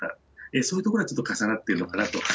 そういうところがちょっと重なってるのかなと。